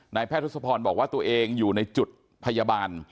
แพทย์ทศพรบอกว่าตัวเองอยู่ในจุดพยาบาล